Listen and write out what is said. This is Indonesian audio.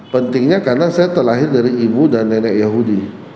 pentingnya karena saya terlahir dari ibu dan nenek yahudi